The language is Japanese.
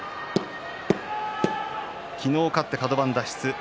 昨日、勝ってカド番脱出。